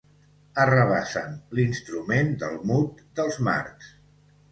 Arrabassen l'instrument del mut dels Marx.